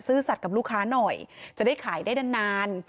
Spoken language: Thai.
ซื้อสัดกับลูกค้าหน่อยจะได้ขายได้ดันนาน